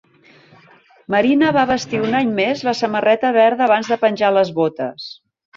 Marina va vestir un any més la samarreta verda abans de penjar les botes.